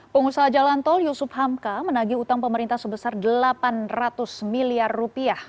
pengusaha jalan tol yusuf hamka menagih utang pemerintah sebesar delapan ratus miliar rupiah